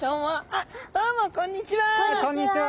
あっどうもこんにちは！